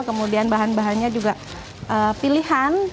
kemudian bahan bahannya juga pilihan